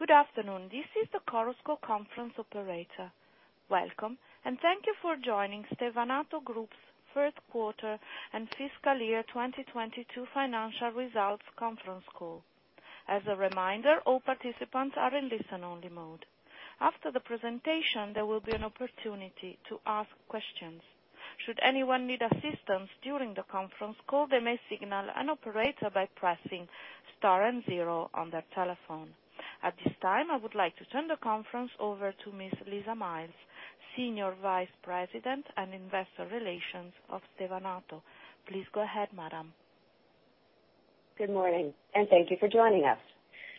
Good afternoon. This is the Chorus Call conference operator. Welcome, and thank you for joining Stevanato Group's Q3 and fiscal year 2022 financial results conference call. As a reminder, all participants are in listen-only mode. After the presentation, there will be an opportunity to ask questions. Should anyone need assistance during the conference call, they may signal an operator by pressing star and 0 on their telephone. At this time, I would like to turn the conference over to Ms. Lisa Miles, Senior Vice President and Investor Relations of Stevanato. Please go ahead, madam. Good morning, and thank you for joining us.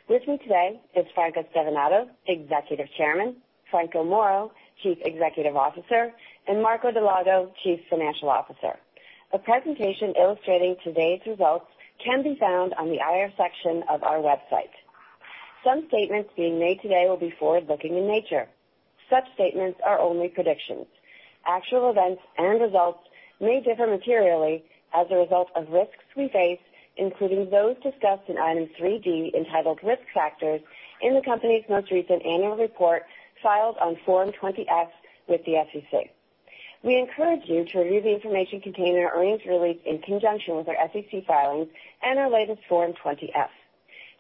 With me today is Franco Stevanato, Executive Chairman, Franco Moro, Chief Executive Officer, and Marco Dal Lago, Chief Financial Officer. A presentation illustrating today's results can be found on the IR section of our website. Some statements being made today will be forward-looking in nature. Such statements are only predictions. Actual events and results may differ materially as a result of risks we face, including those discussed in Item 3D, entitled Risk Factors, in the company's most recent annual report filed on Form 20-F with the SEC. We encourage you to review the information contained in our earnings release in conjunction with our SEC filings and our latest Form 20-F.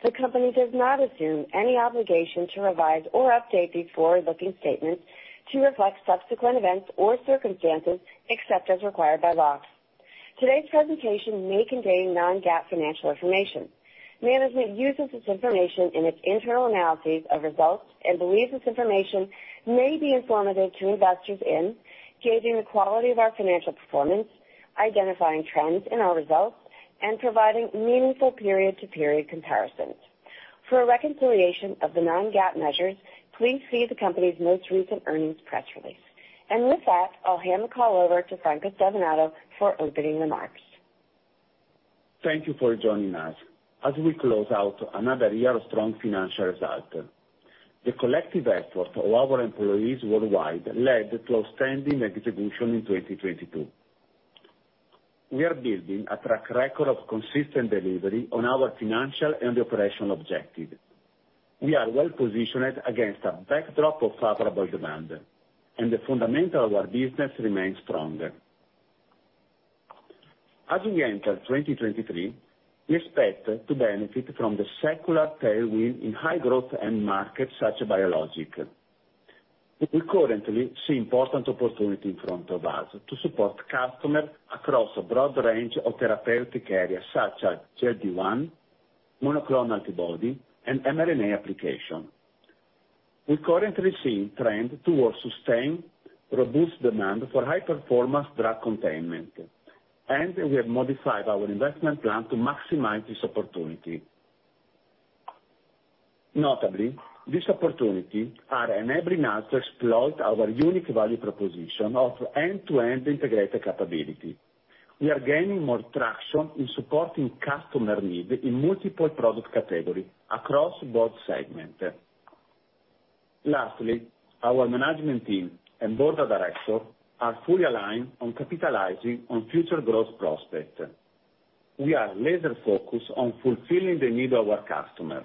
The company does not assume any obligation to revise or update these forward-looking statements to reflect subsequent events or circumstances except as required by law. Today's presentation may contain non-GAAP financial information. Management uses this information in its internal analyses of results and believes this information may be informative to investors in gauging the quality of our financial performance, identifying trends in our results, and providing meaningful period-to-period comparisons. For a reconciliation of the non-GAAP measures, please see the company's most recent earnings press release. With that, I'll hand the call over to Franco Stevanato for opening remarks. Thank you for joining us as we close out another year of strong financial results. The collective effort of our employees worldwide led to outstanding execution in 2022. We are building a track record of consistent delivery on our financial and operational objectives. We are well positioned against a backdrop of favorable demand, and the fundamentals of our business remains strong. As we enter 2023, we expect to benefit from the secular tailwind in high growth end markets such as biologics. We currently see important opportunities in front of us to support customers across a broad range of therapeutic areas such as GLP-1, monoclonal antibody, and mRNA applications. We currently see trends towards sustained reduced demand for high-performance drug containment, and we have modified our investment plan to maximize this opportunity. Notably, these opportunities are enabling us to exploit our unique value proposition of end-to-end integrated capabilities. We are gaining more traction in supporting customer need in multiple product category across both segment. Lastly, our management team and board of director are fully aligned on capitalizing on future growth prospect. We are laser-focused on fulfilling the need of our customer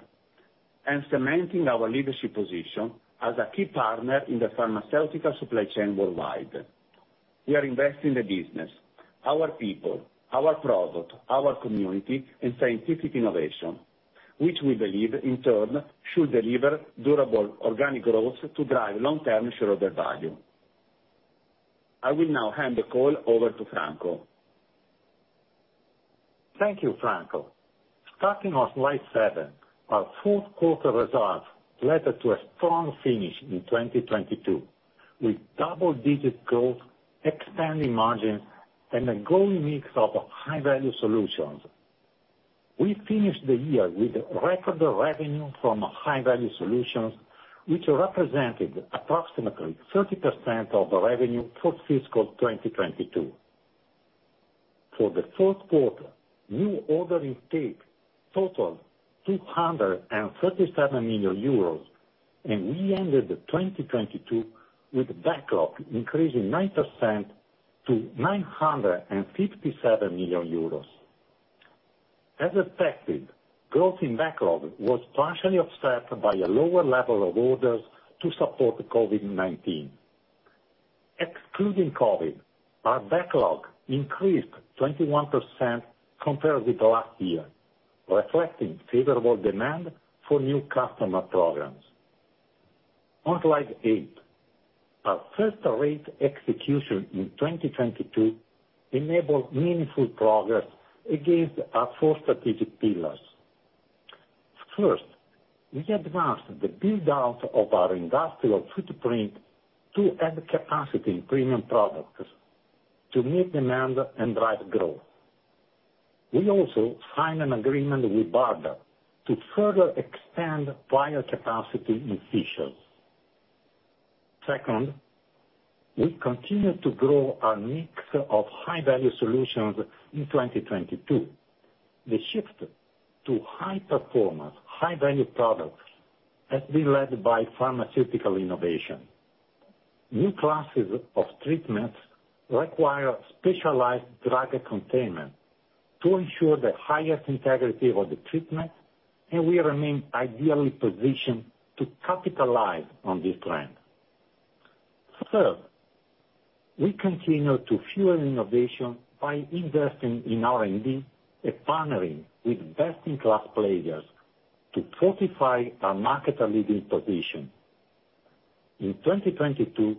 and cementing our leadership position as a key partner in the pharmaceutical supply chain worldwide. We are investing in the business, our people, our product, our community, and scientific innovation, which we believe, in turn, should deliver durable organic growth to drive long-term shareholder value. I will now hand the call over to Franco. Thank you, Franco. Starting on slide 7, our Q4 results led to a strong finish in 2022, with double-digit growth, expanding margins, and a growing mix of high-value solutions. We finished the year with record revenue from high-value solutions, which represented approximately 30% of the revenue for fiscal 2022. For the Q4, new order intake totaled EUR 237 million, and we ended 2022 with backlog increasing 9% to 957 million euros. As expected, growth in backlog was partially offset by a lower level of orders to support COVID-19. Excluding COVID, our backlog increased 21% compared with last year, reflecting favorable demand for new customer programs. On slide 8, our first rate execution in 2022 enabled meaningful progress against our four strategic pillars. First, we advanced the build-out of our industrial footprint to add capacity in premium products to meet demand and drive growth. We also signed an agreement with BARDA to further expand prior capacity in Fishers. Second, we continued to grow our mix of high-value solutions in 2022. The shift to high performance, high-value products has been led by pharmaceutical innovation. New classes of treatments require specialized drug containment to ensure the highest integrity of the treatment, and we remain ideally positioned to capitalize on this trend. Third, we continue to fuel innovation by investing in R&D and partnering with best-in-class players to fortify our market and leading position. In 2022,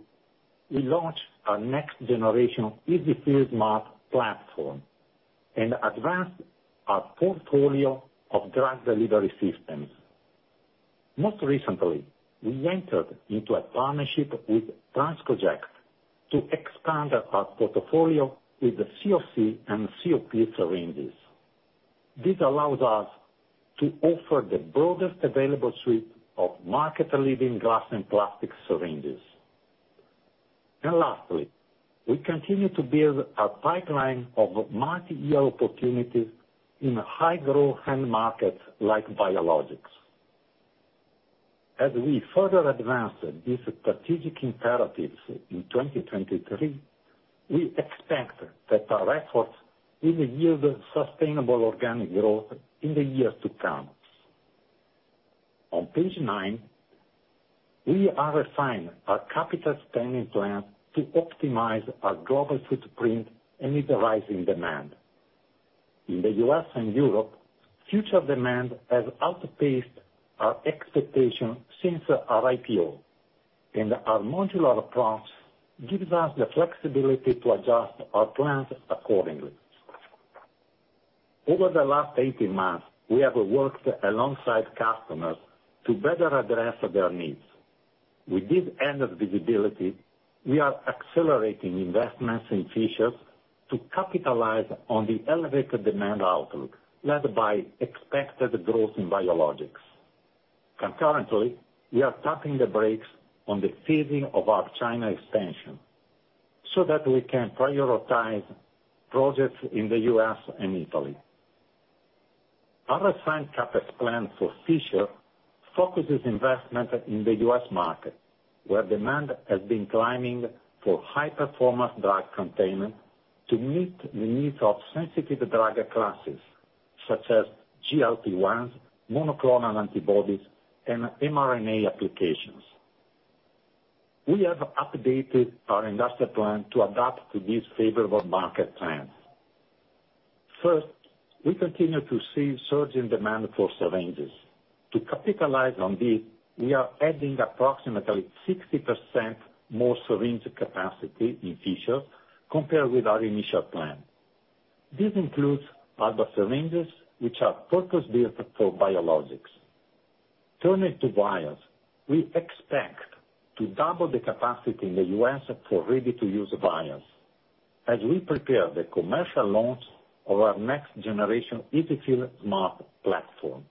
we launched our next generation EZ-fill Smart platform and advanced our portfolio of drug delivery systems. Most recently, we entered into a partnership with Transcoject to expand our portfolio with the COC and COP syringes. This allows us to offer the broadest available suite of market-leading glass and plastic syringes. Lastly, we continue to build a pipeline of multi-year opportunities in high-growth end markets like biologics. As we further advance these strategic imperatives in 2023, we expect that our efforts will yield sustainable organic growth in the years to come. On page 9, we have refined our capital spending plan to optimize our global footprint and meet the rising demand. In the U.S. and Europe, future demand has outpaced our expectation since our IPO. Our modular approach gives us the flexibility to adjust our plans accordingly. Over the last 18 months, we have worked alongside customers to better address their needs. With this end of visibility, we are accelerating investments in Fisher to capitalize on the elevated demand outlook led by expected growth in biologics. Concurrently, we are tapping the brakes on the phasing of our China expansion so that we can prioritize projects in the U.S. and Italy. Our assigned CapEx plan for Fisher focuses investment in the U.S. market, where demand has been climbing for high-performance drug containment to meet the needs of sensitive drug classes such as GLP-1, monoclonal antibodies, and mRNA applications. We have updated our industrial plan to adapt to these favorable market trends. First, we continue to see surge in demand for syringes. To capitalize on this, we are adding approximately 60% more syringe capacity in Fisher compared with our initial plan. This includes Alba syringes, which are purpose-built for biologics. Turning to vials, we expect to double the capacity in the U.S. for ready-to-use vials as we prepare the commercial launch of our next generation EZ-fill Smart platform.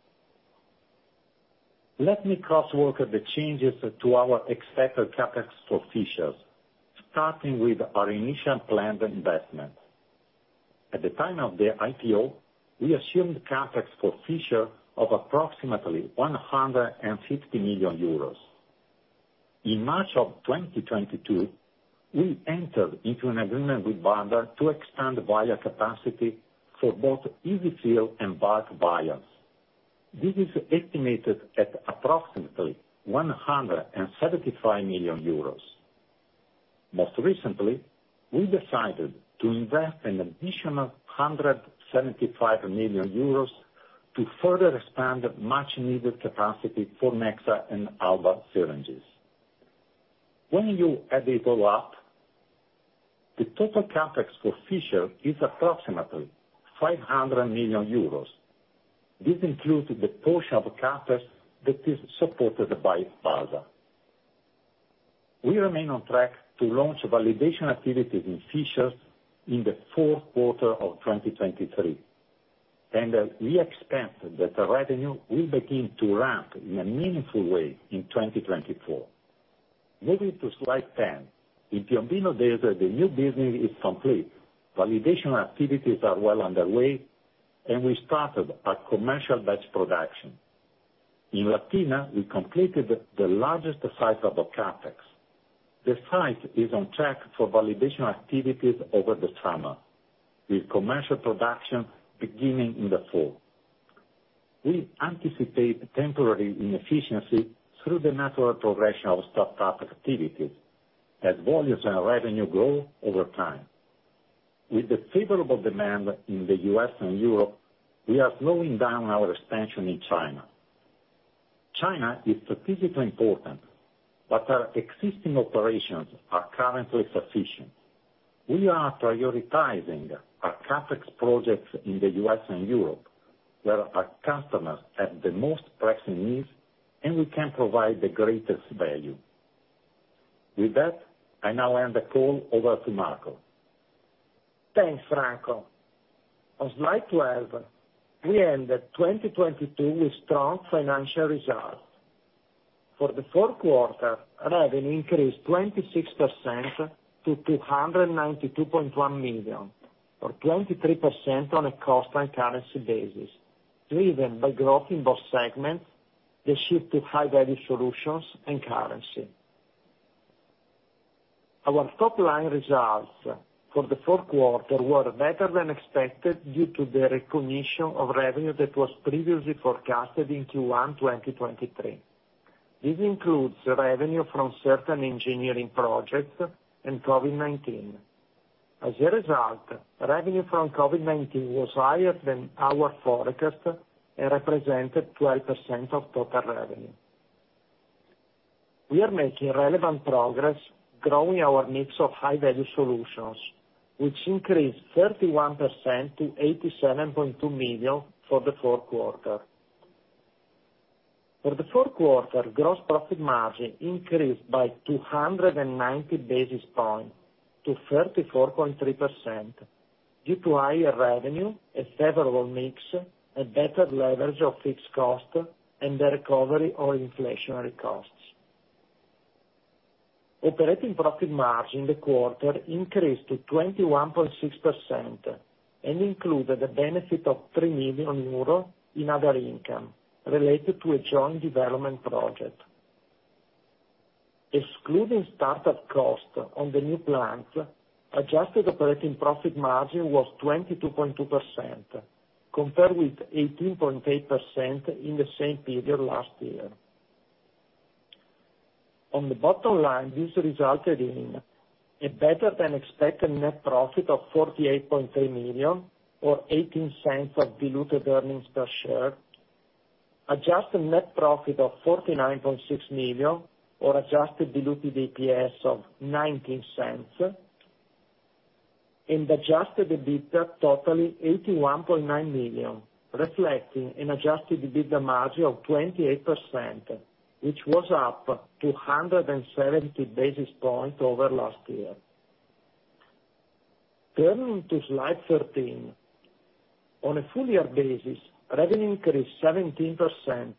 Let me crosswalk the changes to our expected CapEx for Fisher, starting with our initial planned investment. At the time of the IPO, we assumed CapEx for Fisher of approximately 150 million euros. In March of 2022, we entered into an agreement with BARDA to expand vial capacity for both EZ-fill and bulk vials. This is estimated at approximately 175 million euros. Most recently, we decided to invest an additional 175 million euros to further expand much needed capacity for Nexa and Alba syringes. When you add it all up, the total CapEx for Fisher is approximately 500 million euros. This includes the portion of CapEx that is supported by BARDA. We remain on track to launch validation activities in Fisher in the Q4 of 2023, and we expect that the revenue will begin to ramp in a meaningful way in 2024. Moving to slide 10. In Piombino, the new business is complete. Validation activities are well underway, and we started our commercial batch production. In Latina, we completed the largest site of the CapEx. The site is on track for validation activities over the summer, with commercial production beginning in the fall. We anticipate temporary inefficiency through the natural progression of startup activities as volumes and revenue grow over time. With the favorable demand in the U.S. and Europe, we are slowing down our expansion in China. China is strategically important. Our existing operations are currently sufficient. We are prioritizing our CapEx projects in the U.S. and Europe, where our customers have the most pressing needs, and we can provide the greatest value. With that, I now hand the call over to Marco. Thanks, Franco. On slide 12, we ended 2022 with strong financial results. For the Q4, revenue increased 26% to 292.1 million, or 23% on a constant currency basis. Driven by growth in both segments, the shift to high-value solutions and currency. Our top line results for the Q4 were better than expected due to the recognition of revenue that was previously forecasted in Q1, 2023. This includes revenue from certain engineering projects and COVID-19. As a result, revenue from COVID-19 was higher than our forecast and represented 12% of total revenue. We are making relevant progress growing our mix of high-value solutions, which increased 31% to 87.2 million for the Q4. For the Q4, gross profit margin increased by 290 basis points to 34.3% due to higher revenue, a favorable mix, a better leverage of fixed cost, and the recovery of inflationary costs. Operating profit margin in the quarter increased to 21.6% and included the benefit of 3 million euro in other income related to a joint development project. Excluding start-up costs on the new plant, adjusted operating profit margin was 22.2%, compared with 18.8% in the same period last year. On the bottom line, this resulted in a better than expected net profit of 48.3 million or 0.18 of diluted earnings per share. Adjusted net profit of 49.6 million or adjusted diluted EPS of $0.19, and adjusted EBITDA totaling 81.9 million, reflecting an adjusted EBITDA margin of 28%, which was up 270 basis points over last year. Turning to slide 13. On a full year basis, revenue increased 17%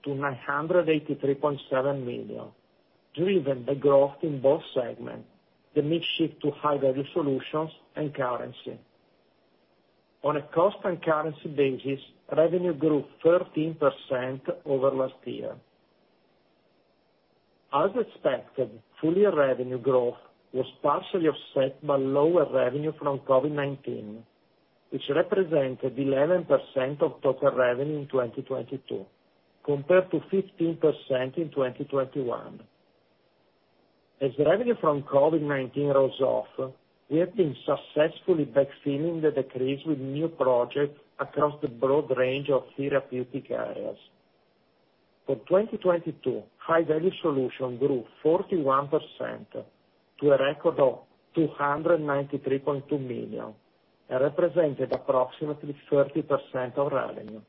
to 983.7 million, driven by growth in both segments, the mix shift to high-value solutions, and currency. On a cost and currency basis, revenue grew 13% over last year. As expected, full year revenue growth was partially offset by lower revenue from COVID-19, which represented 11% of total revenue in 2022, compared to 15% in 2021. As revenue from COVID-19 rolls off, we have been successfully backfilling the decrease with new projects across the broad range of therapeutic areas. For 2022, High-Value Solution grew 41% to a record of $293.2 million and represented approximately 30% of revenue.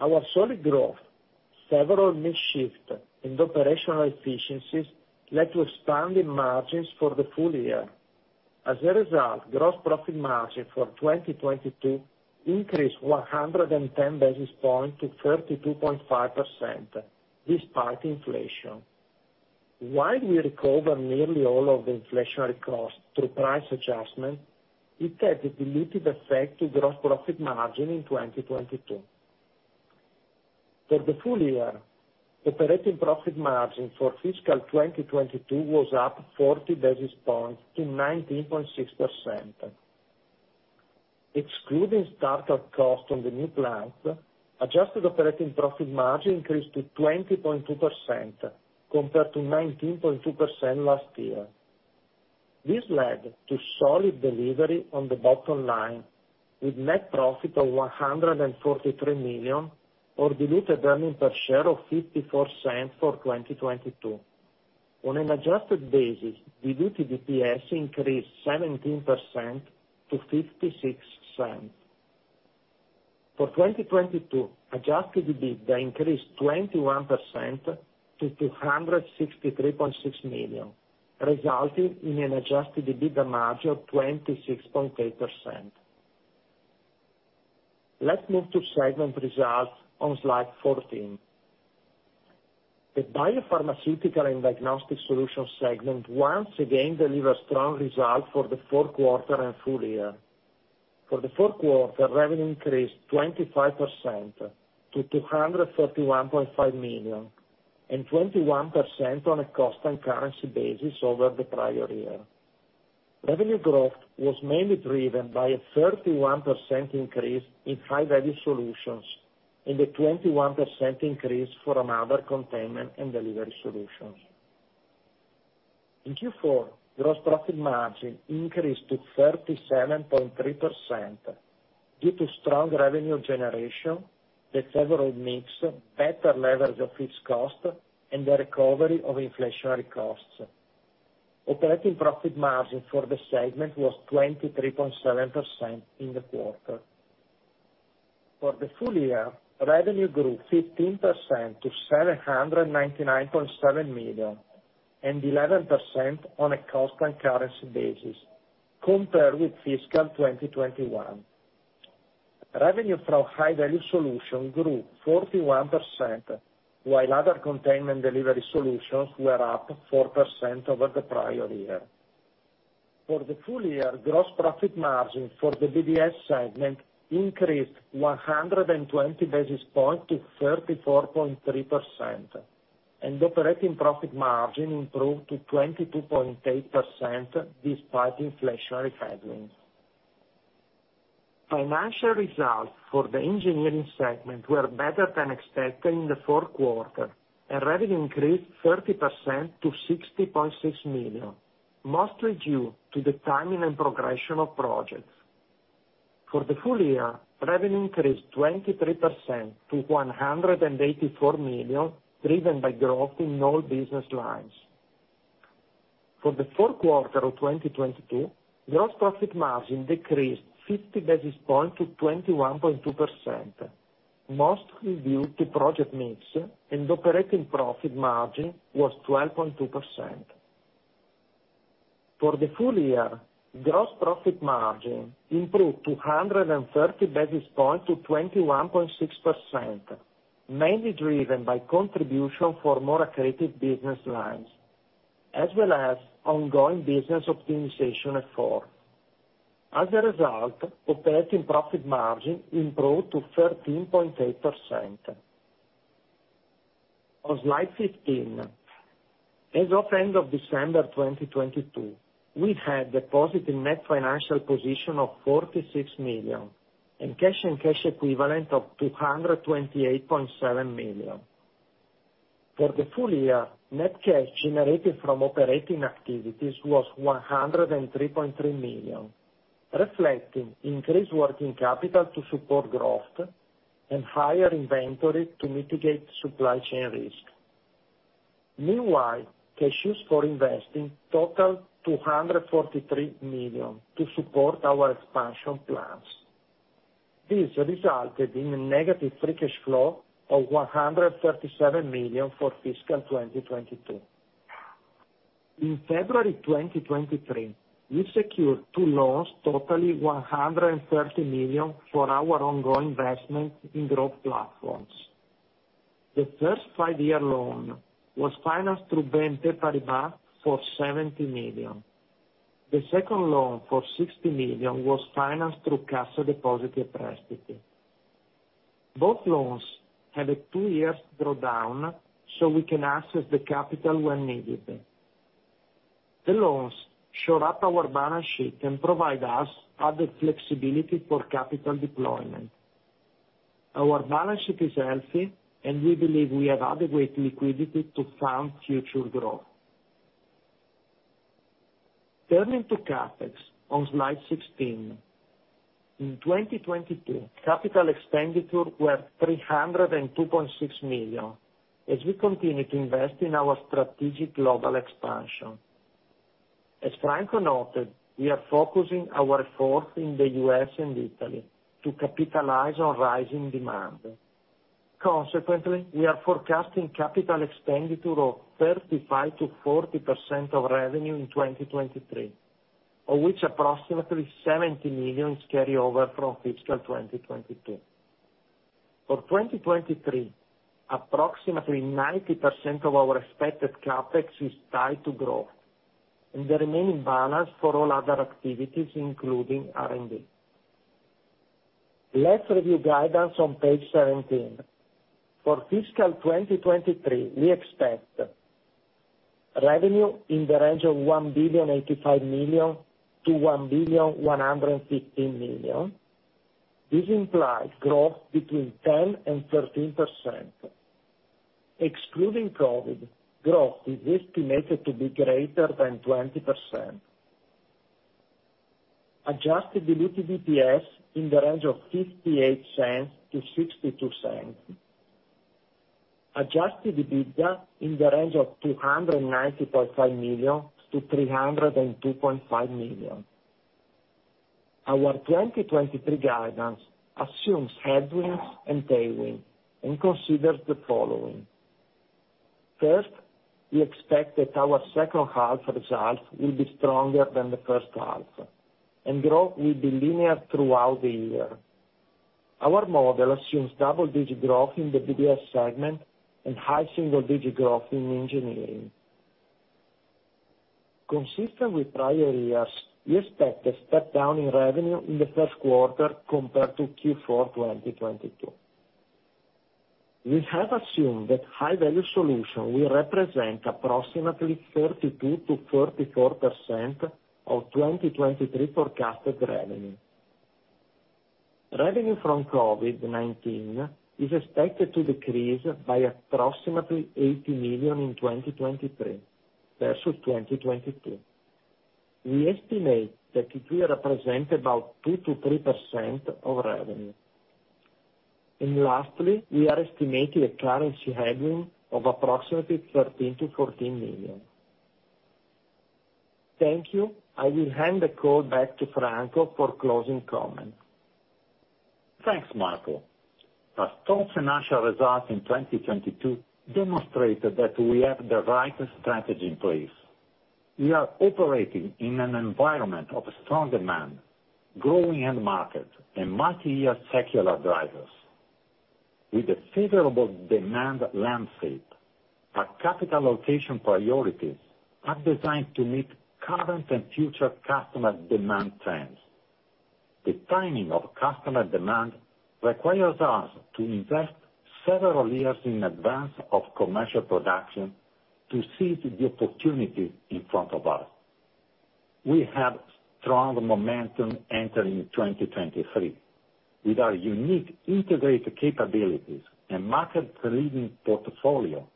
Our solid growth, favorable mix shift, and operational efficiencies led to expanding margins for the full year. As a result, gross profit margin for 2022 increased 110 basis points to 32.5% despite inflation. While we recovered nearly all of the inflationary costs through price adjustments, it had a dilutive effect to gross profit margin in 2022. For the full year, operating profit margin for fiscal 2022 was up 40 basis points to 19.6%. Excluding start-up costs on the new plant, adjusted operating profit margin increased to 20.2% compared to 19.2% last year. This led to solid delivery on the bottom line with net profit of 143 million or diluted earnings per share of 0.54 for 2022. On an adjusted basis, diluted EPS increased 17% to 0.56. For 2022, adjusted EBITDA increased 21% to 263.6 million, resulting in an adjusted EBITDA margin of 26.8%. Let's move to segment results on slide 14. The Biopharmaceutical and Diagnostic Solutions segment once again delivered strong results for the Q4 and full year. For the Q4, revenue increased 25% to 231.5 million and 21% on a cost and currency basis over the prior year. Revenue growth was mainly driven by a 31% increase in high-value solutions and a 21% increase from other containment and delivery solutions. In Q4, gross profit margin increased to 37.3% due to strong revenue generation, the favorable mix, better leverage of fixed cost, and the recovery of inflationary costs. Operating profit margin for the segment was 23.7% in the quarter. For the full year, revenue grew 15% to 799.7 million and 11% on a cost and currency basis compared with fiscal 2021. Revenue from High-Value Solution grew 41%, while other containment delivery solutions were up 4% over the prior year. For the full year, gross profit margin for the BDS segment increased 120 basis point to 34.3%, and operating profit margin improved to 22.8% despite inflationary headwinds. Financial results for the engineering segment were better than expected in the Q4, revenue increased 30% to 60.6 million, mostly due to the timing and progression of projects. For the full year, revenue increased 23% to 184 million, driven by growth in all business lines. For the Q4 of 2022, gross profit margin decreased 50 basis points to 21.2%, mostly due to project mix, operating profit margin was 12.2%. For the full year, gross profit margin improved 230 basis points to 21.6%, mainly driven by contribution for more accretive business lines as well as ongoing business optimization effort. As a result, operating profit margin improved to 13.8%. On slide 15, as of end of December 2022, we had a positive net financial position of 46 million, and cash and cash equivalent of 228.7 million. For the full year, net cash generated from operating activities was 103.3 million, reflecting increased working capital to support growth and higher inventory to mitigate supply chain risk. Meanwhile, cash used for investing totaled 243 million to support our expansion plans. This resulted in a negative free cash flow of 137 million for fiscal 2022. In February 2023, we secured 2 loans totaling 130 million for our ongoing investment in growth platforms. The first 5-year loan was financed through BNP Paribas for 70 million. The second loan, for 60 million, was financed through Cassa Depositi e Prestiti. Both loans have a 2 years draw down. We can access the capital when needed. The loans shore up our balance sheet and provide us other flexibility for capital deployment. Our balance sheet is healthy. We believe we have adequate liquidity to fund future growth. Turning to CapEx on slide 16. In 2022, capital expenditure were 302.6 million as we continue to invest in our strategic global expansion. As Franco noted, we are focusing our effort in the U.S. and Italy to capitalize on rising demand. We are forecasting capital expenditure of 35%-40% of revenue in 2023, of which approximately 70 million is carryover from fiscal 2022. Approximately 90% of our expected CapEx is tied to growth and the remaining balance for all other activities, including R&D. Let's review guidance on page 17. For fiscal 2023, we expect revenue in the range of 1,085 million-1,115 million. This implies growth between 10%-13%. Excluding COVID, growth is estimated to be greater than 20%. Adjusted diluted EPS in the range of $0.58-$0.62. Adjusted EBITDA in the range of 290.5 million-302.5 million. Our 2023 guidance assumes headwinds and tailwind and considers the following. First, we expect that our second half results will be stronger than the first half, and growth will be linear throughout the year. Our model assumes double-digit growth in the BDS segment and high single-digit growth in engineering. Consistent with prior years, we expect a step down in revenue in the Q1 compared to Q4 2022. We have assumed that high-value solutions will represent approximately 32%-34% of 2023 forecasted revenue. Revenue from COVID-19 is expected to decrease by approximately 80 million in 2023 versus 2022. We estimate that it will represent about 2%-3% of revenue. Lastly, we are estimating a currency headwind of approximately 13 million-14 million. Thank you. I will hand the call back to Franco for closing comment. Thanks, Marco. Stevanato financial results in 2022 demonstrated that we have the right strategy in place. We are operating in an environment of strong demand, growing end market, and multi-year secular drivers. With the favorable demand landscape, our capital allocation priorities are designed to meet current and future customer demand trends. The timing of customer demand requires us to invest several years in advance of commercial production to seize the opportunity in front of us. We have strong momentum entering 2023. With our unique integrated capabilities and market-leading portfolio,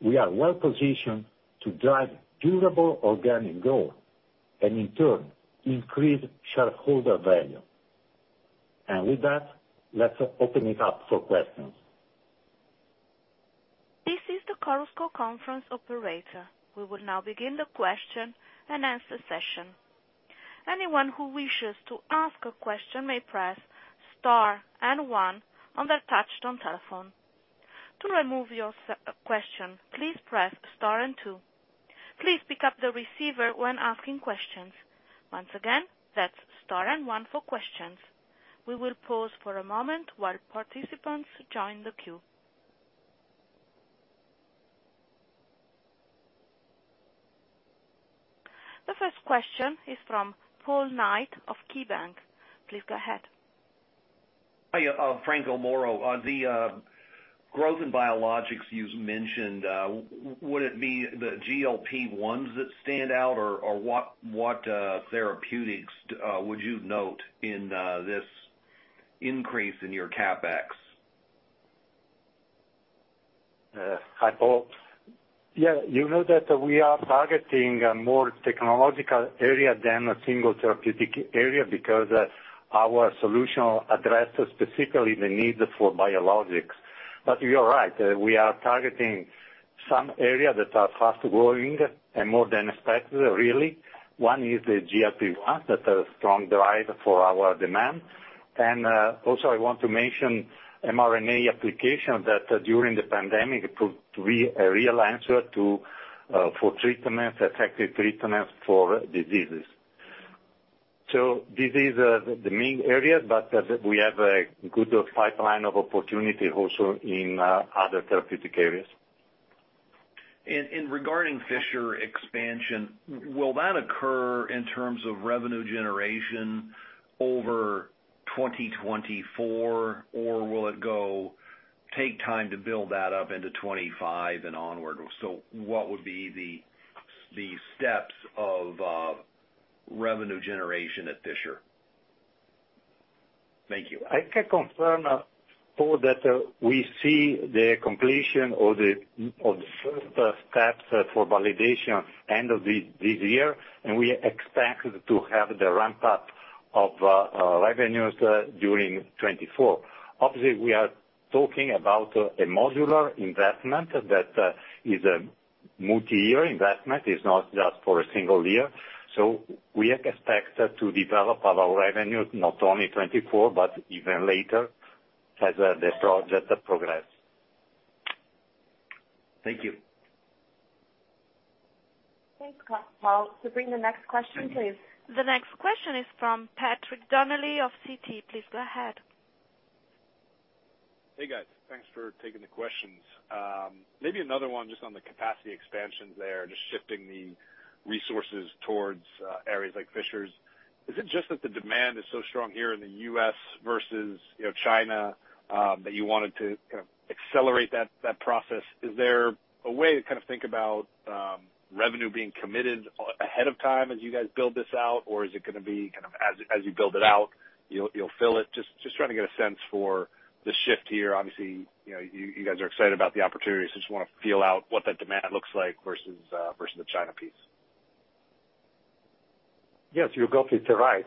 we are well positioned to drive durable organic growth and in turn, increase shareholder value. With that, let's open it up for questions. This is the Chorus Call Conference operator. We will now begin the question and answer session. Anyone who wishes to ask a question may press star and one on their touch-tone telephone. To remove yourself a question, please press star and two. Please pick up the receiver when asking questions. Once again, that's star and one for questions. We will pause for a moment while participants join the queue. The first question is from Paul Knight of KeyBanc. Please go ahead. Hi, Franco Moro. On the growth in biologics yous mentioned, would it be the GLP-1 that stand out or what therapeutics would you note in this increase in your CapEx? Hi, Paul. Yeah, you know that we are targeting a more technological area than a single therapeutic area because our solution addresses specifically the need for biologics. You are right, we are targeting some areas that are fast-growing and more than expected, really. One is the GLP-1 that has strong drive for our demand. Also I want to mention mRNA application that during the pandemic proved to be a real answer to for treatment, effective treatment for diseases. This is the main area, but we have a good pipeline of opportunity also in other therapeutic areas. In regarding Fisher expansion, will that occur in terms of revenue generation over 2024 or will it go take time to build that up into 2025 and onward? What would be the steps of revenue generation at Fisher? Thank you. I can confirm, Paul, that we see the completion of the first steps for validation end of this year, and we expect to have the ramp-up of revenues during 2024. Obviously, we are talking about a modular investment that is a multi-year investment. It's not just for a single year. We expect to develop our revenue not only 2024, but even later as the project progress. Thank you. Thanks, Paul. Sabrina, next question, please. Thank you. The next question is from Patrick Donnelly of Citi. Please go ahead. Hey, guys. Thanks for taking the questions. Maybe another one just on the capacity expansions there, just shifting the resources towards areas like Fishers. Is it just that the demand is so strong here in the U.S. versus, you know, China, that you wanted to kind of accelerate that process? Is there a way to kind of think about revenue being committed ahead of time as you guys build this out? Or is it gonna be kind of as you build it out, you'll fill it? Just trying to get a sense for the shift here. Obviously, you know, you guys are excited about the opportunities. I just wanna feel out what that demand looks like versus versus the China piece. Yes, you got it right.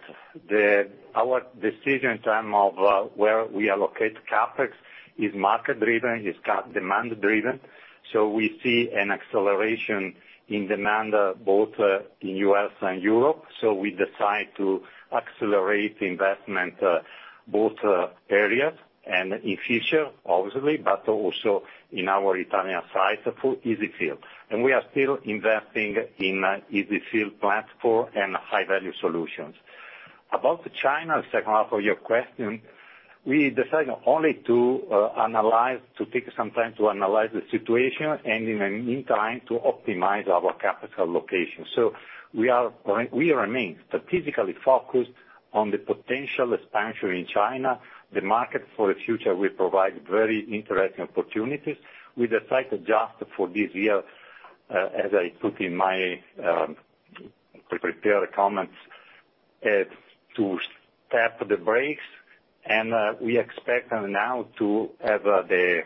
Our decision time of where we allocate CapEx is market-driven, is demand-driven. We see an acceleration in demand, both in US and Europe. We decide to accelerate investment, both areas and in future, obviously, but also in our Italian site for EZ-fill. We are still investing in EZ-fill platform and high-value solutions. About China, second half of your question, we decide only to analyze, to take some time to analyze the situation and in the meantime, to optimize our capital location. We remain strategically focused on the potential expansion in China. The market for the future will provide very interesting opportunities. We decide just for this year, as I put in my prepared comments, to tap the brakes, and we expect now to have the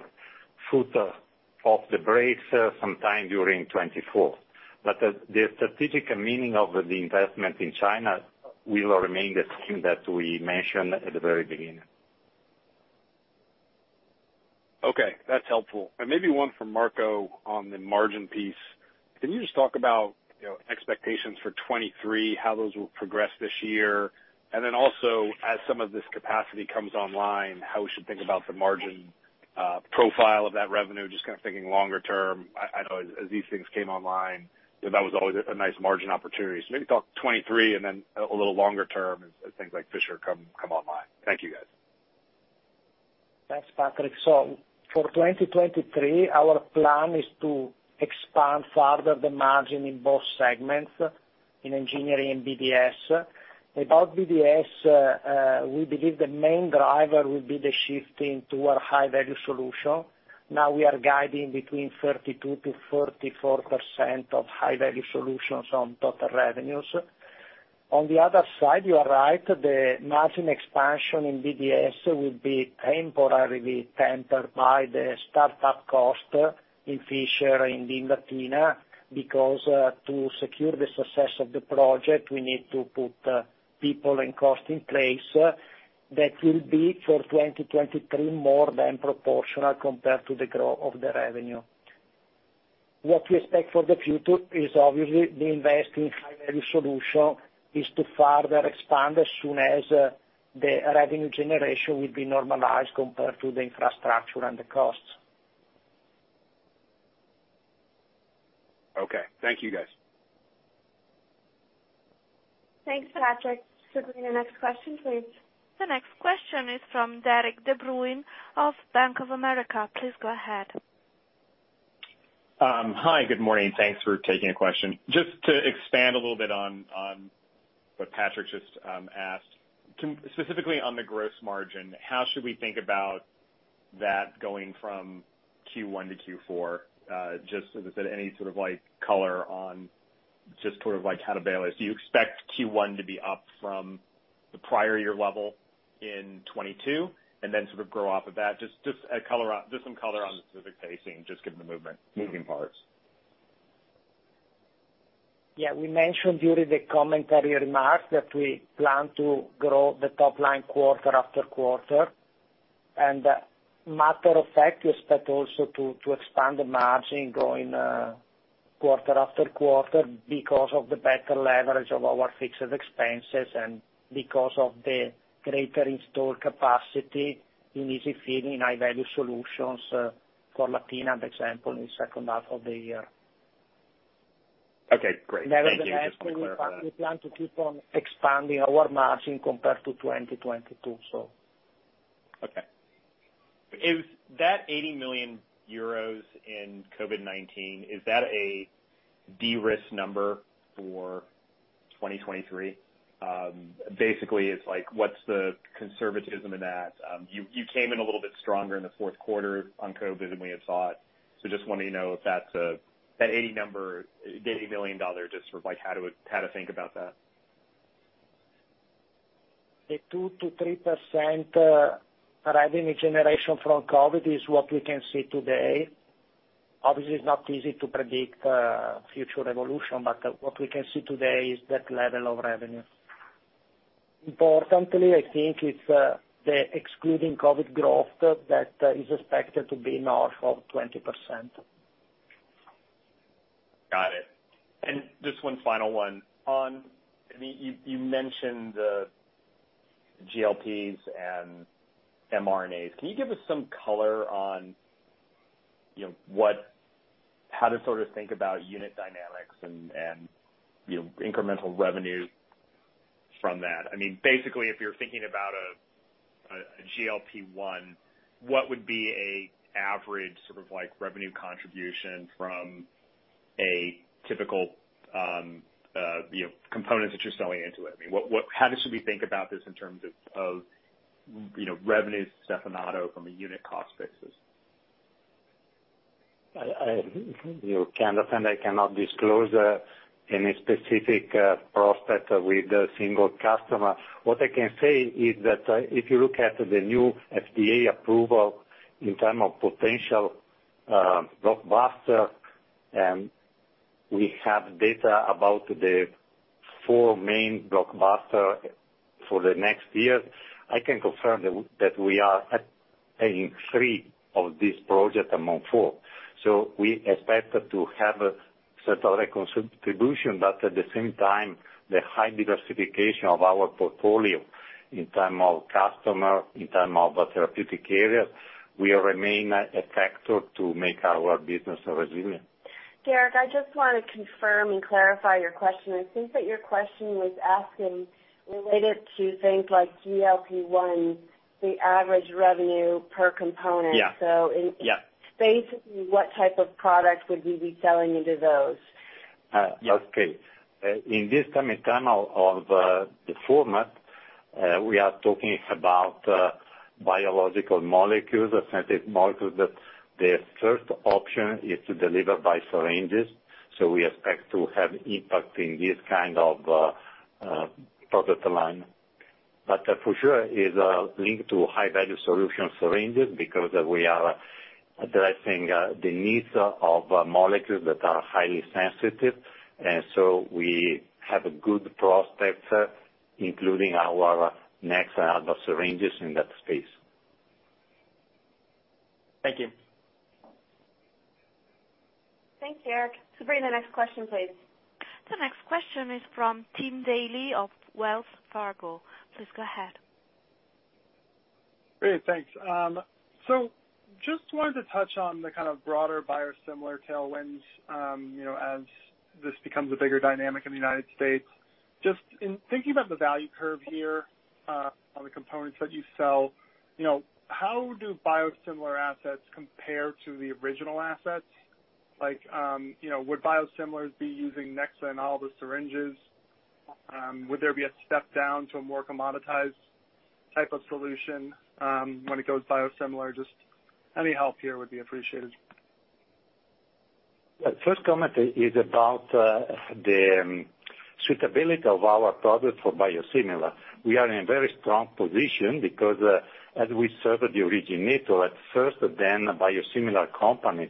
foot of the brakes sometime during 2024. The strategic meaning of the investment in China will remain the same that we mentioned at the very beginning. Okay, that's helpful. Maybe one from Marco on the margin piece. Can you just talk about, you know, expectations for 2023, how those will progress this year? Then also as some of this capacity comes online, how we should think about the margin profile of that revenue, just kind of thinking longer term. I know as these things came online, you know, that was always a nice margin opportunity. Maybe talk 2023 and then a little longer term as things like Fisher come online. Thank you, guys. Thanks, Patrick. For 2023, our plan is to expand further the margin in both segments, in engineering and BDS. About BDS, we believe the main driver will be the shifting to our High-Value Solution. Now we are guiding between 32%-44% of High-Value Solutions on total revenues. On the other side, you are right, the margin expansion in BDS will be temporarily tempered by the startup cost in Fisher, in Latina, because to secure the success of the project, we need to put people and cost in place. That will be for 2023 more than proportional compared to the growth of the revenue. What we expect for the future is obviously the invest in High-Value Solution is to further expand as soon as the revenue generation will be normalized compared to the infrastructure and the costs. Okay. Thank you, guys. Thanks, Patrick. Sabrina, next question, please. The next question is from Derik De Bruin of Bank of America. Please go ahead. Hi, good morning. Thanks for taking a question. Just to expand a little bit on what Patrick just asked. Specifically on the gross margin, how should we think about that going from Q1 to Q4? Just as I said, any sort of like color on just sort of like how to balance. Do you expect Q1 to be up from the prior year level in 2022 and then sort of grow off of that? Just color on, just some color on the specific pacing, just given the movement, moving parts. Yeah, we mentioned during the commentary remarks that we plan to grow the top line quarter after quarter. Matter of fact, we expect also to expand the margin going quarter after quarter because of the better leverage of our fixed expenses and because of the greater in-store capacity in EZ-fill high-value solutions for Latina, for example, in the second half of the year. Okay, great. Thank you. Just want to clarify that. Nevertheless, we plan to keep on expanding our margin compared to 2022. So. Okay. Is that 80 million euros in COVID-19, is that a de-risk number for 2023? Basically, it's like, what's the conservatism in that? You came in a little bit stronger in the Q4 on COVID than we had thought. Just want to know if that's a, that 80 number, $80 million, just for like how to think about that? A 2%-3% revenue generation from COVID is what we can see today. Obviously, it's not easy to predict future evolution, but what we can see today is that level of revenue. Importantly, I think it's the excluding COVID growth that is expected to be north of 20%. Got it. Just one final one. On, you mentioned the GLPs and mRNAs. Can you give us some color on how to sort of think about unit dynamics and incremental revenue from that? Basically, if you're thinking about a GLP-1, what would be a average sort of like revenue contribution from a typical components that you're selling into it? How should we think about this in terms of revenue, Stevanato, from a unit cost basis? I, you know, Derik, I cannot disclose any specific prospect with a single customer. What I can say is that if you look at the new FDA approval in term of potential blockbuster, we have data about the four main blockbuster for the next year. I can confirm that we are at paying three of these projects among four. We expect to have a certain contribution, at the same time, the high diversification of our portfolio in term of customer, in term of therapeutic area, we remain a factor to make our business resilient. Derik, I just want to confirm and clarify your question. I think that your question was asking related to things like GLP-1, the average revenue per component. Yeah. It's basically what type of product would you be selling into those? Okay. In this time and time of the format, we are talking about biological molecules, sensitive molecules, that their first option is to deliver by syringes. We expect to have impact in this kind of product line. For sure is linked to high-value solution syringes because we are addressing the needs of molecules that are highly sensitive. We have a good prospect, including our Nexa syringes in that space. Thank you. Thanks, Derik. Sabrina, next question, please. The next question is from Tim Daley of Wells Fargo. Please go ahead. Great. Thanks. Just wanted to touch on the kind of broader biosimilars tailwinds, you know, as this becomes a bigger dynamic in the United States. Just in thinking about the value curve here, on the components that you sell, you know, how do biosimilars assets compare to the original assets? Like, you know, would biosimilars be using Nexa and all the syringes? Would there be a step down to a more commoditized type of solution when it goes biosimilars? Just any help here would be appreciated. First comment is about the suitability of our product for biosimilars. We are in a very strong position because as we serve the originator at first, then biosimilars companies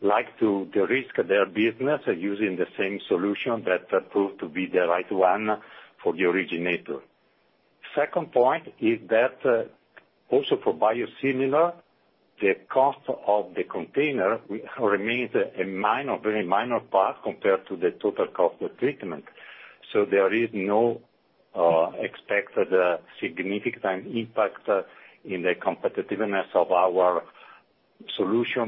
like to de-risk their business using the same solution that proved to be the right one for the originator. Second point is that also for biosimilars, the cost of the container remains a minor, very minor part compared to the total cost of treatment. There is no expected significant impact in the competitiveness of our solution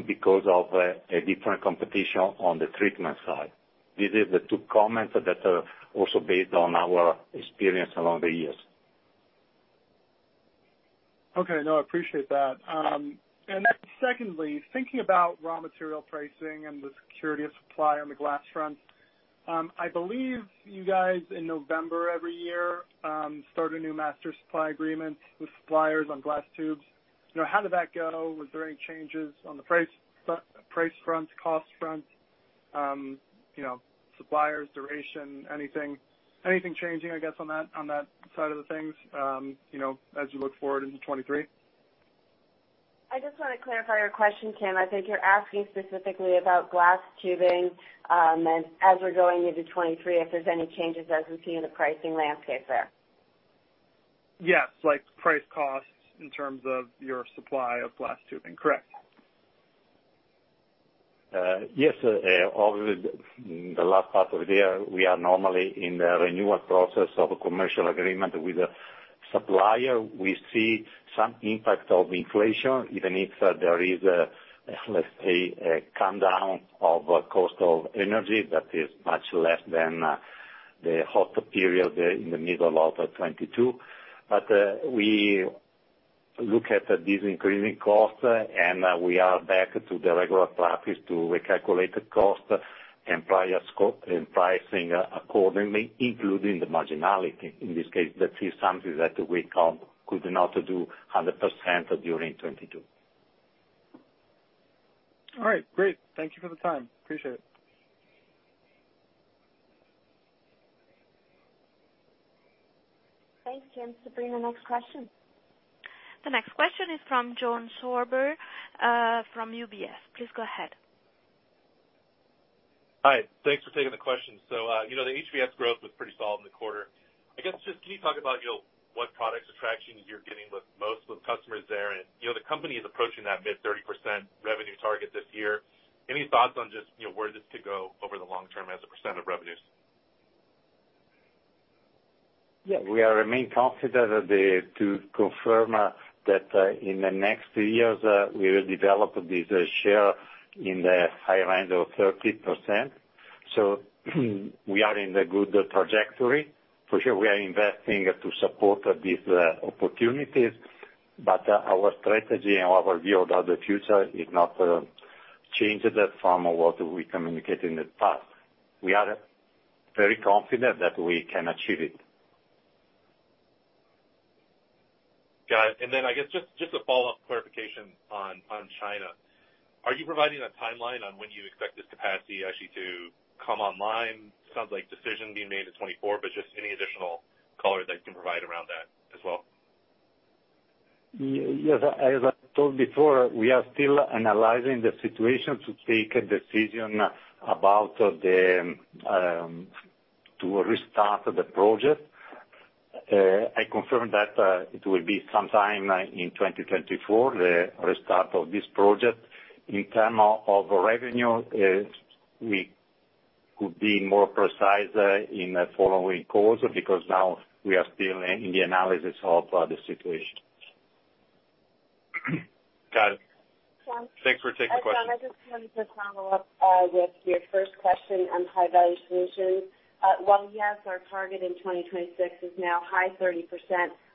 because of a different competition on the treatment side. These are the two comments that are also based on our experience along the years. Okay. No, I appreciate that. Secondly, thinking about raw material pricing and the security of supply on the glass front, I believe you guys, in November every year, start a new master supply agreement with suppliers on glass tubes. You know, how did that go? Was there any changes on the price front, cost front, you know, suppliers, duration, anything changing, I guess, on that, on that side of the things, you know, as you look forward into 2023? I just wanna clarify your question, Tim. I think you're asking specifically about glass tubing, and as we're going into 2023, if there's any changes as we see in the pricing landscape there. Yes, like price costs in terms of your supply of glass tubing. Correct. Yes, over the last part of the year, we are normally in the renewal process of a commercial agreement with a supplier. We see some impact of inflation, even if there is, let's say, a calm down of cost of energy that is much less than the hot period in the middle of 2022. We look at this increasing cost, and we are back to the regular practice to recalculate the cost and pricing accordingly, including the marginality. In this case, that is something that we could not do 100% during 2022. All right, great. Thank you for the time. Appreciate it. Thanks, Tim. Sabrina, next question. The next question is from John Sourbeer, from UBS. Please go ahead. Hi. Thanks for taking the question. you know, the HVS growth was pretty solid in the quarter. I guess just can you talk about, you know, what products or traction you're getting with most of those customers there? you know, the company is approaching that mid 30% revenue target this year. Any thoughts on just, you know, where this could go over the long term as a % of revenues? Yeah. We remain confident to confirm that in the next 2 years, we will develop this share in the high end of 30%. We are in the good trajectory. For sure, we are investing to support these opportunities, but our strategy and our view of the future is not changed from what we communicated in the past. We are very confident that we can achieve it. Got it. Then I guess just a follow-up clarification on China. Are you providing a timeline on when you expect this capacity actually to come online? Sounds like decision being made in 2024, just any additional color that you can provide around that as well. Yes. As I told before, we are still analyzing the situation to take a decision about the to restart the project. I confirm that it will be sometime in 2024, the restart of this project. In terms of revenue, we could be more precise in the following calls because now we are still in the analysis of the situation. Got it. John- Thanks for taking the question. John, I just wanted to follow up with your first question on high-value solutions. While yes, our target in 2026 is now high 30%,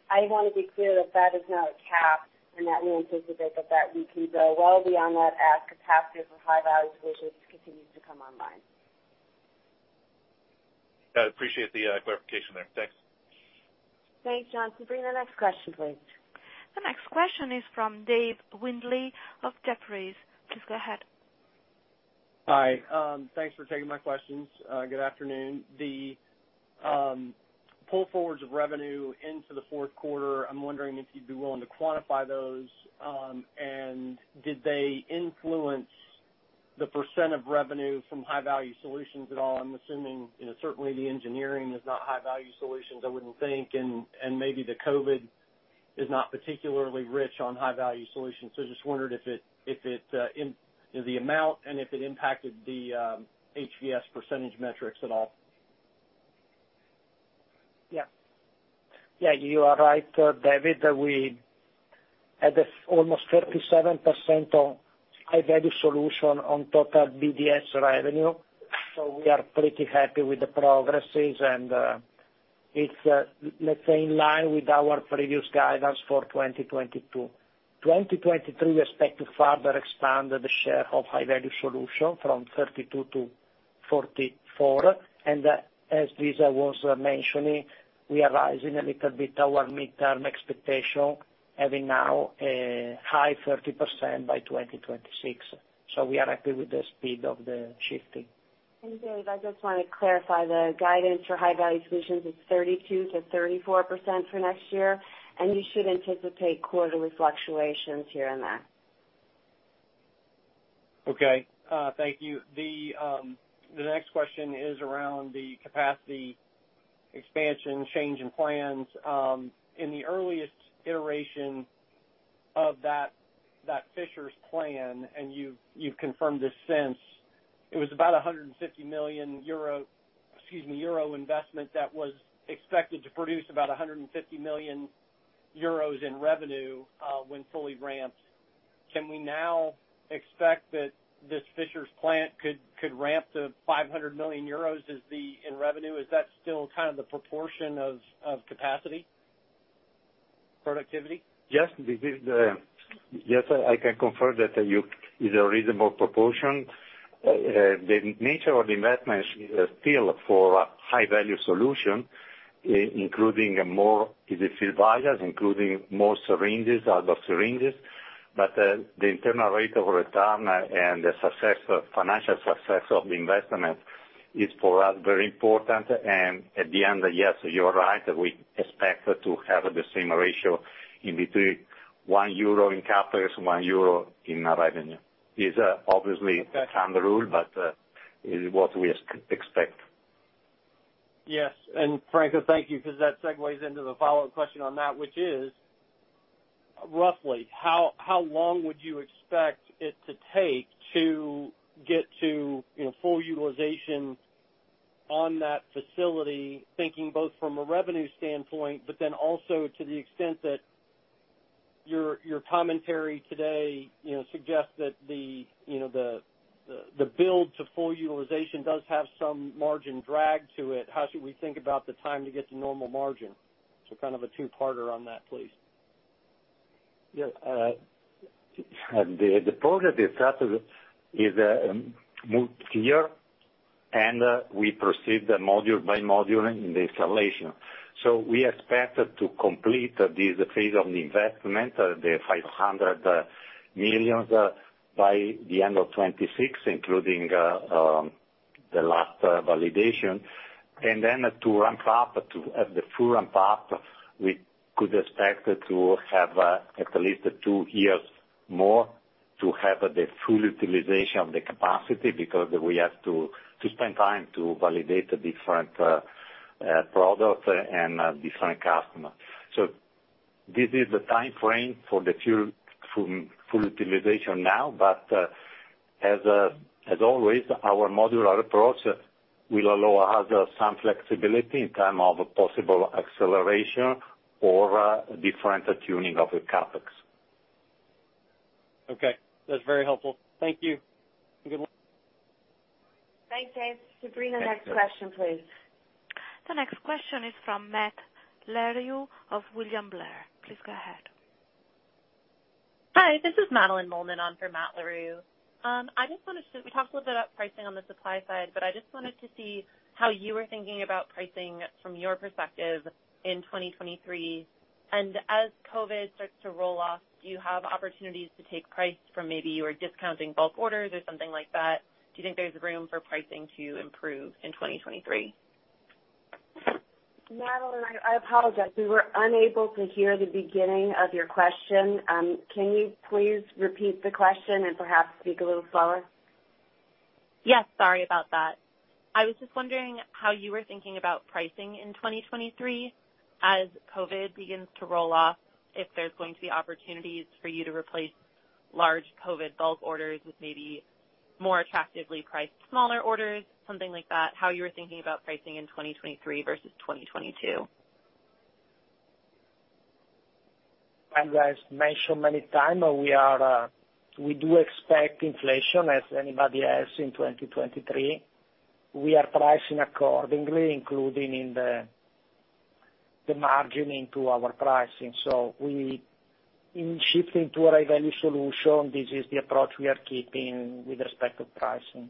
I wanna be clear that that is not a cap, and that we anticipate that we can go well beyond that as capacity for high-value solutions continues to come online. Got it. Appreciate the clarification there. Thanks. Thanks, John. Sabrina, next question, please. The next question is from Dave Windley of Jefferies. Please go ahead. Hi. Thanks for taking my questions. Good afternoon. The pull forwards of revenue into the Q4, I'm wondering if you'd be willing to quantify those. Did they influence the % of revenue from high-value solutions at all? I'm assuming, you know, certainly the engineering is not high-value solutions, I wouldn't think, and maybe the COVID is not particularly rich on high-value solutions. I just wondered if it, you know, the amount and if it impacted the HVS % metrics at all. Yeah, you are right, David, we had this almost 37% of high-value solution on total BDS revenue. We are pretty happy with the progresses and it's, let's say, in line with our previous guidance for 2022. 2023, we expect to further expand the share of high-value solution from 32%-44%. As Lisa was mentioning, we are rising a little bit our midterm expectation, having now a high 30% by 2026. We are happy with the speed of the shifting. Dave, I just wanna clarify, the guidance for high-value solutions is 32%-34% for next year, and you should anticipate quarterly fluctuations here and there. Okay. Thank you. The next question is around the capacity expansion change in plans. In the earliest iteration of that Fishers plan, and you've confirmed this since, it was about 150 million euro investment that was expected to produce about 150 million euros in revenue when fully ramped. Can we now expect that this Fishers plant could ramp to 500 million euros in revenue? Is that still kind of the proportion of capacity productivity? Yes, this is, yes, I can confirm that is a reasonable proportion. The nature of the investment is still for high-value solutions, including more EZ-fill vials, including more syringes. The internal rate of return and the financial success of the investment is, for us, very important. At the end, yes, you're right, we expect to have the same ratio in between 1 euro in CapEx, 1 euro in revenue. It's obviously a thumb rule, but it's what we expect. Yes, Franco, thank you, 'cause that segues into the follow-up question on that, which is, roughly how long would you expect it to take to get to, you know, full utilization on that facility, thinking both from a revenue standpoint, but then also to the extent that your commentary today, you know, suggests that, you know, the build to full utilization does have some margin drag to it. How should we think about the time to get to normal margin? Kind of a two-parter on that, please. Yeah. The project itself is multi-year, and we proceed module by module in the installation. We expect to complete this phase of the investment, 500 million, by the end of 2026, including the last validation. To ramp up to, at the full ramp up, we could expect to have at least 2 years more to have the full utilization of the capacity because we have to spend time to validate different products and different customers. This is the timeframe for the full utilization now, as always, our modular approach will allow us some flexibility in term of possible acceleration or different tuning of the CapEx. Okay. That's very helpful. Thank you. Good luck. Thanks, Dave. Sabrina, next question, please. The next question is from Matt Larew of William Blair. Please go ahead. Hi, this is Madeline Mollman on for Matt Larew. We talked a little bit about pricing on the supply side, I just wanted to see how you were thinking about pricing from your perspective in 2023. As COVID starts to roll off, do you have opportunities to take price from maybe you were discounting bulk orders or something like that? Do you think there's room for pricing to improve in 2023? Madeline, I apologize. We were unable to hear the beginning of your question. Can you please repeat the question and perhaps speak a little slower? Yes. Sorry about that. I was just wondering how you were thinking about pricing in 2023 as COVID begins to roll off, if there's going to be opportunities for you to replace large COVID bulk orders with maybe more attractively priced smaller orders, something like that, how you were thinking about pricing in 2023 versus 2022. As mentioned many times, we are, we do expect inflation as anybody else in 2023. We are pricing accordingly, including in the margin into our pricing. In shifting to a High-Value Solution, this is the approach we are keeping with respect to pricing.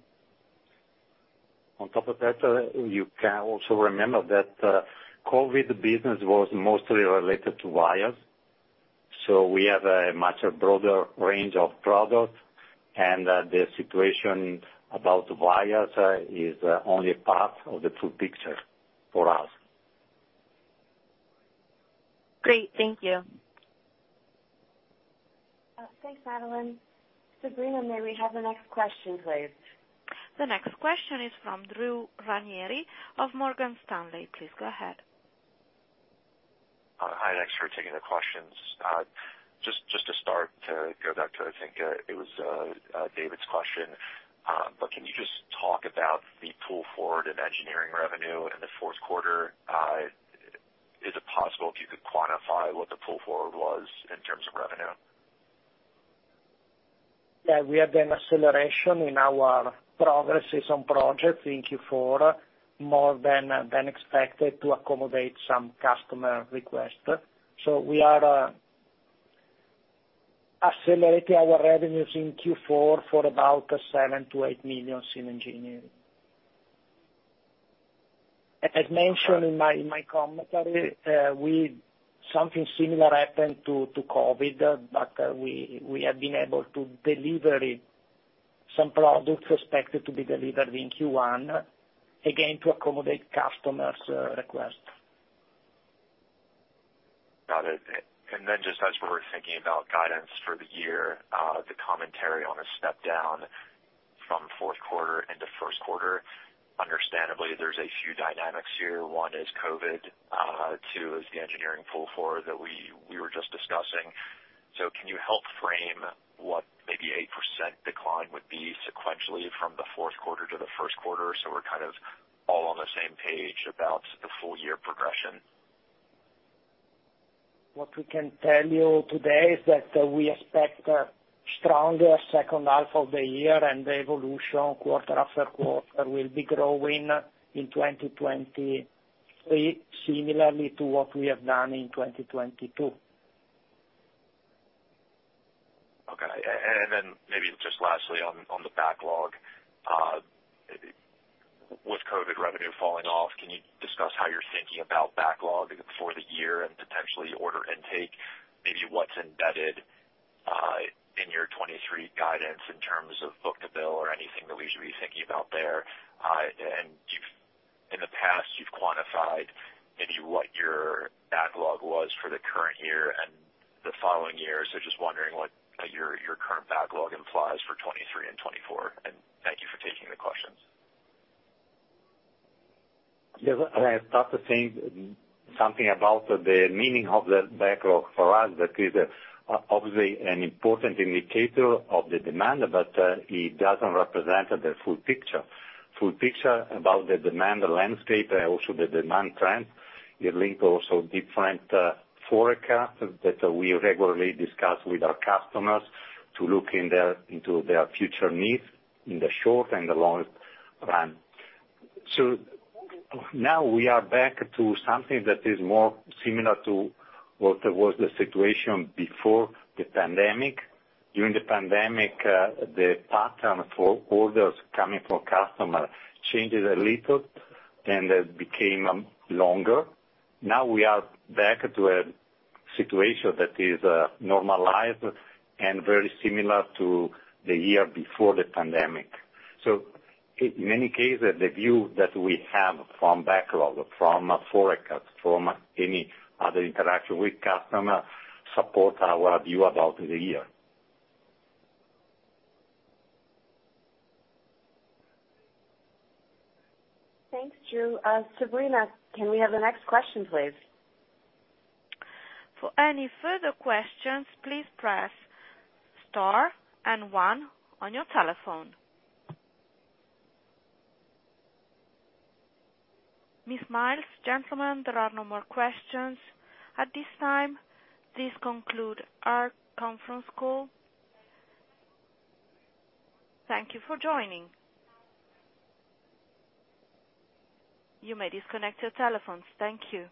On top of that, you can also remember that COVID business was mostly related to vials. We have a much broader range of products, and the situation about vials is only part of the full picture for us. Great. Thank you. Thanks, Madeline. Sabrina, may we have the next question, please? The next question is from Drew Ranieri of Morgan Stanley. Please go ahead. Hi, thanks for taking the questions. Just to start, to go back to, I think, it was David's question. Can you just talk about the pull forward in engineering revenue in the Q4? Is it possible if you could quantify what the pull forward was in terms of revenue? Yeah, we have an acceleration in our progresses on projects in Q4, more than expected to accommodate some customer requests. We are accelerating our revenues in Q4 for about 7 million-8 million in engineering. As mentioned in my commentary, something similar happened to COVID, we have been able to deliver it. Some products expected to be delivered in Q1, again, to accommodate customers' request. Got it. Then just as we're thinking about guidance for the year, the commentary on a step down from Q4 into Q1, understandably, there's a few dynamics here. One is COVID. Two is the engineering pull forward that we were just discussing. Can you help frame what maybe a % decline would be sequentially from the Q4 to the Q1, so we're kind of all on the same page about the full year progression? What we can tell you today is that we expect a stronger second half of the year, and the evolution quarter after quarter will be growing in 2023 similarly to what we have done in 2022. Okay. And then maybe just lastly on the backlog. With COVID revenue falling off, can you discuss how you're thinking about backlog for the year and potentially order intake? Maybe what's embedded in your 2023 guidance in terms of book to bill or anything that we should be thinking about there? And you've in the past, you've quantified maybe what your backlog was for the current year and the following year. So just wondering what your current backlog implies for 2023 and 2024. Thank you for taking the questions. Yes. I start to think something about the meaning of the backlog for us. That is obviously an important indicator of the demand, but it doesn't represent the full picture. Full picture about the demand landscape and also the demand trend. It link also different forecast that we regularly discuss with our customers to look into their future needs in the short and the long run. Now we are back to something that is more similar to what was the situation before the pandemic. During the pandemic, the pattern for orders coming from customers changes a little and it became longer. Now we are back to a situation that is normalized and very similar to the year before the pandemic. In any case, the view that we have from backlog, from forecast, from any other interaction with customer support our view about the year. Thanks, Drew. Sabrina, can we have the next question, please? For any further questions, please press star and one on your telephone. Ms. Miles, gentlemen, there are no more questions at this time. This conclude our conference call. Thank you for joining. You may disconnect your telephones. Thank you.